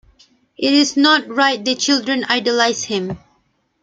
It is not right the children idolise him.